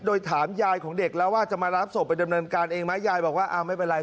โดยถามยายของเด็กแล้วว่าจะมารับศพไปดำเนินการเองไหมยายบอกว่าอ้าวไม่เป็นไร